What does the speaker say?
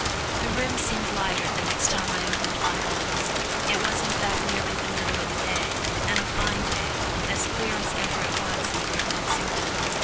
The room seemed lighter the next time I opened my eyes. It was in fact nearly the middle of the day, and a fine day as clear as it ever was in Great Mexington.